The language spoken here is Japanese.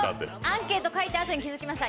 アンケート書いたあとに気づきました。